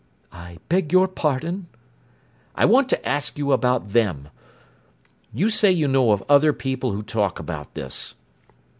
"I beg your pardon." "I want to ask you about them. You say you know of other people who talk about this."